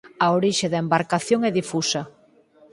A orixe da embarcación é difusa.